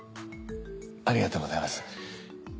ありがとうございます。